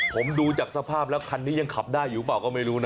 ผมดูจากสภาพแล้วคันนี้ยังขับได้อยู่เปล่าก็ไม่รู้นะ